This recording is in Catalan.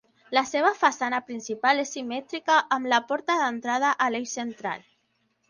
La seva façana principal és simètrica amb la porta d'entrada a l'eix central.